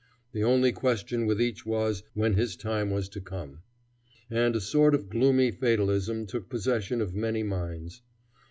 The only question with each was when his time was to come, and a sort of gloomy fatalism took possession of many minds.